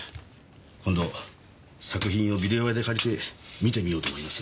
今度作品をビデオ屋で借りて観てみようと思います。